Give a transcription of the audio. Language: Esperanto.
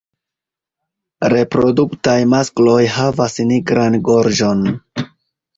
Reproduktaj maskloj havas nigran gorĝon.